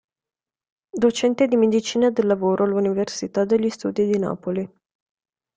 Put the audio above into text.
Docente di Medicina del lavoro all'Università degli studi di Napoli.